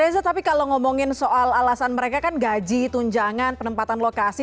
reza tapi kalau ngomongin soal alasan mereka kan gaji tunjangan penempatan lokasi